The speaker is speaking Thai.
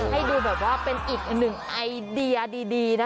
ให้ดูแบบว่าเป็นอีกหนึ่งไอเดียดีนะ